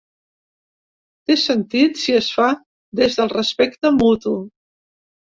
Té sentit si es fa des del respecte mutu.